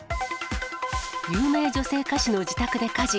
有名女性歌手の自宅で火事。